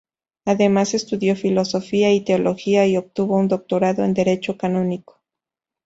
Además estudió filosofía y teología y obtuvo un Doctorado en derecho canónico.